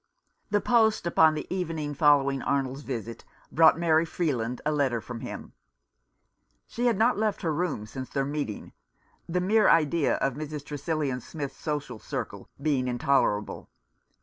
The post upon the evening following Arnold's visit brought Mary Freeland a letter from him. She had not left her room since their meeting, the mere idea of Mrs. Tresillian Smith's social circle being intolerable.